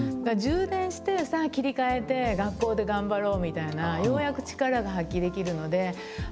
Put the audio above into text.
充電してさあ切り替えて学校で頑張ろうみたいなようやく力が発揮できるので。